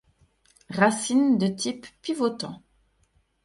Racine de type pivotant.